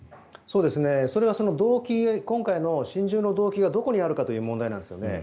それは今回の心中の動機がどこにあるかという問題なんですよね。